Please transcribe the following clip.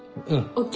ＯＫ。